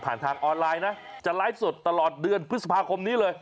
ทางออนไลน์นะจะไลฟ์สดตลอดเดือนพฤษภาคมนี้เลย